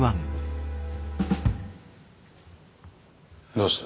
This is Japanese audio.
どうした？